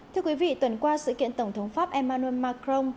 thưa quý vị tuần qua sự kiện tổng thống pháp emmanuel macron